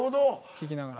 聞きながら。